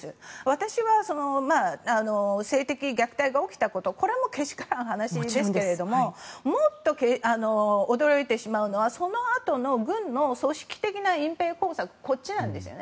私は性的虐待が起きたことこれもけしからん話ですがもっと驚いてしまうのはそのあとの軍の組織的な隠ぺい工作こっちなんですよね。